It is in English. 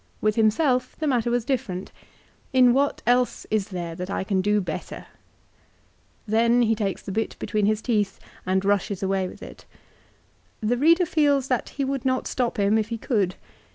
With himself the matter was different. " In what else is there that I can do better ?" Then he takes the bit between his teeth and rushes away with it. The reader feels that he would not stop him if he could.